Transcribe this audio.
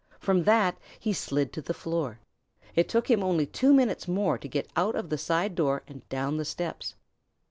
From that he slid to the floor. It took him only two minutes more to get out of the side door and down the steps.